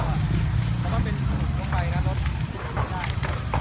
การสมมุติในประตูแห่งเป็นที่